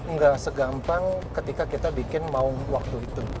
nggak segampang ketika kita bikin mau waktu itu